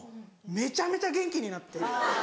めちゃめちゃ元気になって。